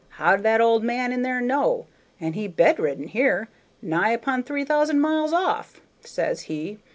How did that old man in there know, and he bedridden here, nigh upon three thousand miles off?' says he.